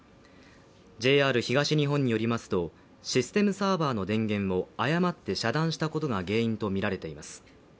ＪＲ東日本によりますと、システムサーバーの電源を誤って遮断したことが原因とみられています。